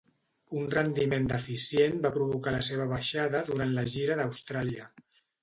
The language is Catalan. Un rendiment deficient va provocar la seva baixada durant la gira d'Austràlia.